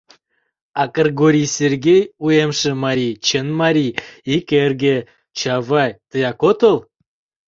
А Кргорий Сергей, Уэмше Марий, Чын марий, Ик эрге, Чавай тыяк отыл?